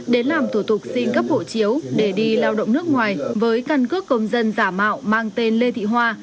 đến làm thủ tục xin cấp hộ chiếu để đi lao động nước ngoài với căn cước công dân giả mạo mang tên lê thị hoa